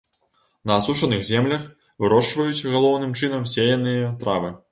На асушаных землях вырошчваюць галоўным чынам сеяныя травы.